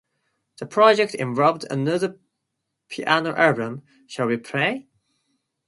The project involved another piano album, Shall we Play?